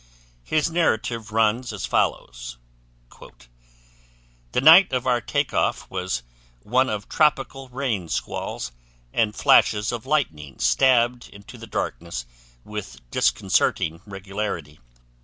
His narrative runs as follows: "The night of our take off was one of tropical rain squalls, and flashes of lightning stabbed into the darkness with disconcerting regularity.